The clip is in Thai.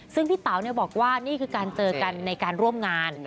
ซึ่งพี่เต๋าบอกว่านี่คือการเจอกันในการร่วมงาน